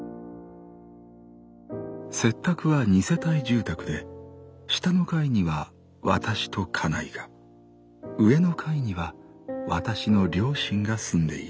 「拙宅は二世帯住宅で下の階にはわたしと家内が上の階にはわたしの両親が住んでいる。